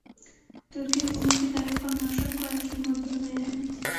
ترکی حکومت کی تاریخ اور معاشرت کو ایلف نے موضوع بنایا ہے